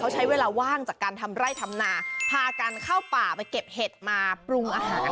ใช้เวลาว่างจากการทำไร่ทำนาพากันเข้าป่าไปเก็บเห็ดมาปรุงอาหาร